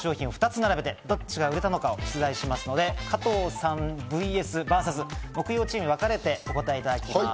企業の商品を２つ並べて、どっちが売れたのか出題しますので、加藤さんｖｓ木曜チームに分かれて答えていただきます。